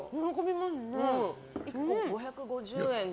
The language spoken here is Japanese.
１個５５０円。